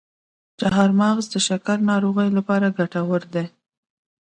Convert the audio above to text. چارمغز د شکرې ناروغانو لپاره ګټور دی.